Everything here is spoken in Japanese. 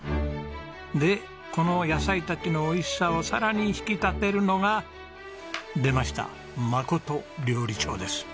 でこの野菜たちの美味しさをさらに引き立てるのが出ました真料理長です！